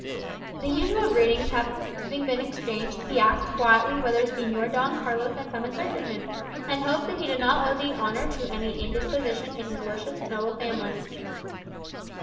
The usual greetings having been exchanged, he asked quietly whether Señor Don Carlos had come in search of him, and hoped that he did not owe the honour to any indisposition in his worship's noble family.